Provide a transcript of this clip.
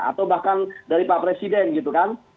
atau bahkan dari pak presiden gitu kan